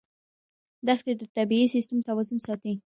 دښتې د طبعي سیسټم توازن ساتي.